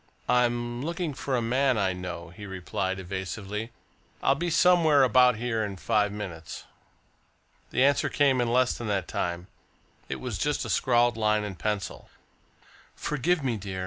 "I'm looking for a man I know," he replied evasively. "I'll be somewhere about here in five minutes." The answer came in less than that time. It was just a scrawled line in pencil: "Forgive me, dear.